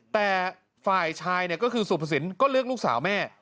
แต่ฝ่ายชายก็คือสุภสินก็เลือกลูกสาวแม่